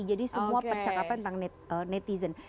jadi semua percakapan tentang netizen